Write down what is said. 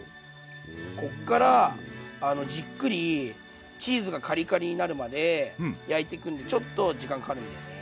こっからじっくりチーズがカリカリになるまで焼いていくんでちょっと時間かかるんだよね。